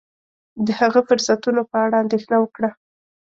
د هغه فرصتونو په اړه اندېښنه وکړه.